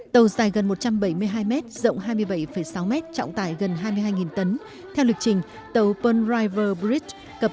tàu dài gần một trăm bảy mươi hai m rộng hai mươi bảy sáu mét trọng tải gần hai mươi hai tấn theo lịch trình tàu pearl river bridge cập